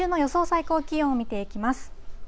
最高気温を見ていきます。